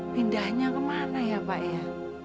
pindahnya kemana ya pak ya